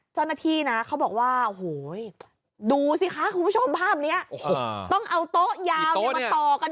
เจ้าหน้าที่นะเขาบอกว่าโอ้โหดูสิคะคุณผู้ชมภาพนี้ต้องเอาโต๊ะยาวมาต่อกัน